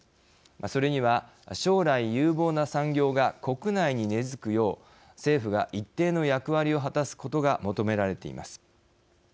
それには、将来有望な産業が国内に根づくよう政府が一定の役割を果たすことが求められています。